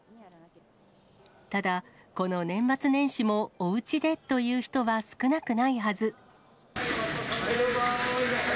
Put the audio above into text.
ただ、この年末年始もおうちでという人は少なくないはず。